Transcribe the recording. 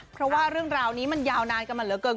เพราะว่าเรื่องราวนี้มันยาวนานกันมาเหลือเกิน